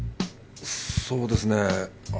そうですね。